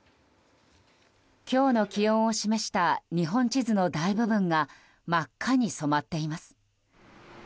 今日の気温を示した日本地図の大部分が真っ赤に染まっています。